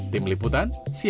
tim liputan cnn indonesia